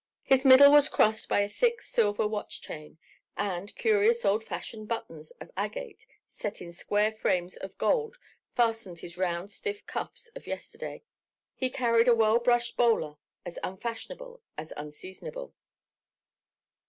His middle was crossed by a thick silver watch chain, and curious, old fashioned buttons of agate set in square frames of gold fastened his round stiff cuffs of yesterday. He carried a well brushed bowler as unfashionable as unseasonable.